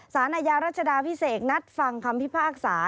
สารอาญารัชดาพิเศษนัดฟังคำพิพากษา